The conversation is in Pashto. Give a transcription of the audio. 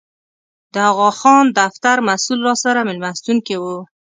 د اغاخان دفتر مسوول راسره مېلمستون کې و.